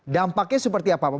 dampaknya seperti apa pak